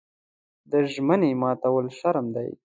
د ژمنې ماتول شرم دی.